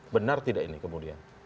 benar tidak ini kemudian